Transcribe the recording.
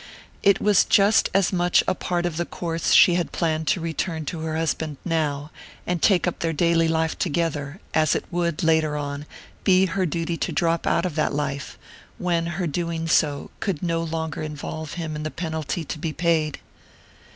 It was just as much a part of the course she had planned to return to her husband now, and take up their daily life together, as it would, later on, be her duty to drop out of that life, when her doing so could no longer involve him in the penalty to be paid.